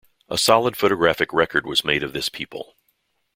A solid photographic record was made of this people.